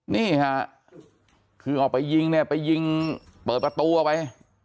นี่ค่ะคือออกไปยิงเนี่ยไปยิงเปิดประตูออกไป